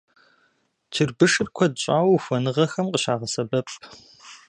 Чырбышыр куэд щӀауэ ухуэныгъэхэм къыщагъэсэбэп.